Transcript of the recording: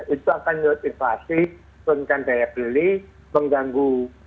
itu akan menyebabkan inflasi menurunkan daya beli mengganggu